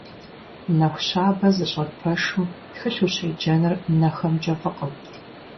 Нэху щабэ зыщӏэт пэшым тхылъ ущеджэныр нэхэмкӏэ фӏыкъым.